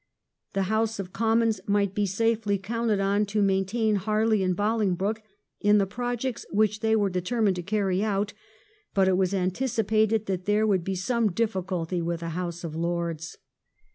The House of Com mons might be safely counted on to maintain Harley and Bolingbroke in the projects which they were determined to carry out, but it was anticipated that there would be some difficulty with the House of Lords.